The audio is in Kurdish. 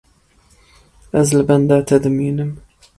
Ez li benda te dimînim.